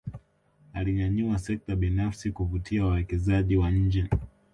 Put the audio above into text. Alinyanyua sekta binafsi kuvutia wawekezaji wa nje